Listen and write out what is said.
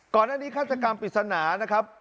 ก่อนหน้านี้ฆาตกรรมปริศนานะครับ